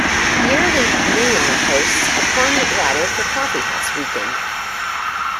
Yearly, "Neon" hosts a prominent writer for "Coffeehouse Weekend.